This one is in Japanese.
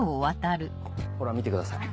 ほら見てください